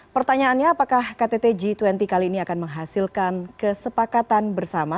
pertanyaannya apakah ktt g dua puluh kali ini akan menghasilkan kesepakatan bersama